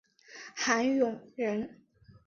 韩永人。